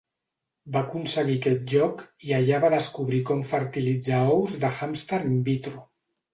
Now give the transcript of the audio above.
Va aconseguir aquest lloc i allà va descobrir com fertilitzar ous de hàmster in vitro.